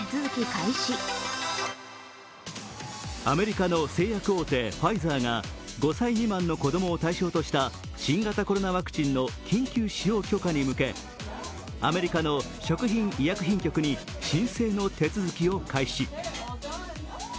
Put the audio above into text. アメリカの製薬大手、ファイザーが５歳未満の子供を対象とした新型コロナワクチンの緊急使用許可に向けアメリカの食品医薬品局に申請の手続きを開始。